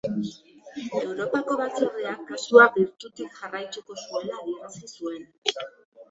Europako Batzordeak kasua gertutik jarraituko zuela adierazi zuen.